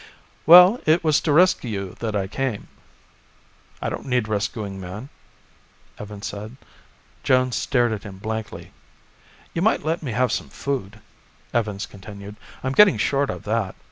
"Well, it was to rescue you that I came." "I don't need rescuing, man," Evans said. Jones stared at him blankly. "You might let me have some food," Evans continued. "I'm getting short of that.